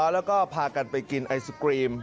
แล้วก็พากันไปกินไอศกรีม